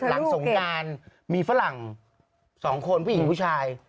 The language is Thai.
หลังส่งการมีฝรั่งสองคนผู้หญิงผู้ชาย